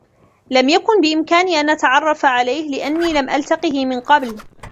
لم يكن بإمكاني أن أتعرف عليه لأني لم ألتقه من قبل.